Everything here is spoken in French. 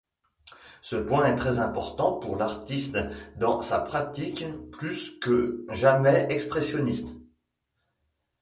Ce point est très important pour l'artiste dans sa pratique plus que jamais expressionniste.